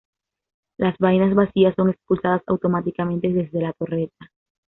Las vainas vacías son expulsadas automáticamente desde la torreta.